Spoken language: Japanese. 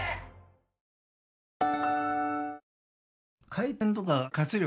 回転とか活力